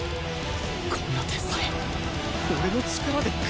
こんな天才俺の力で喰えるのか？